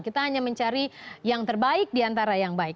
kita hanya mencari yang terbaik di antara yang baik